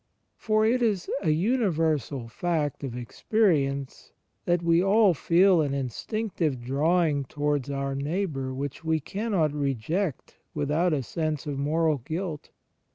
For it is an universal fact of experience that we all feel an instinctive drawing towards our neighbour which we cannot reject without a sense of moral guilt.